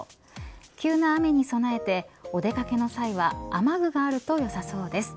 急な雨に備えてお出掛けの際は雨具があるとよさそうです。